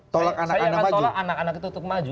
tolak anak anak itu untuk maju